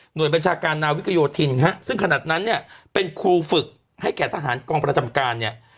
โดยบัญชาการนาวิกโยธินฮะซึ่งขนาดนั้นเนี่ยเป็นครูฝึกให้แก่ทหารกองประจำการเนี่ย